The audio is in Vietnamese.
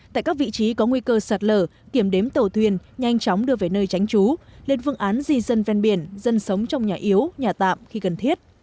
tại các vị trí có nguy cơ sạt lở kiểm đếm tàu thuyền nhanh chóng đưa về nơi tránh trú lên vương án di dân ven biển dân sống trong nhà yếu nhà tạm khi cần thiết